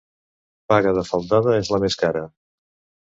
Paga de faldada és la més cara.